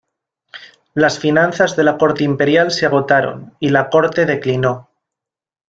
Las finanzas de la Corte Imperial se agotaron, y la corte declinó.